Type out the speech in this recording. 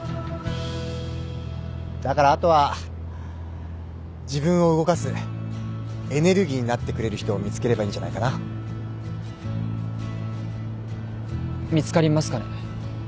だからあとは自分を動かすエネルギーになってくれる人を見つければいいんじゃないかな？見つかりますかね？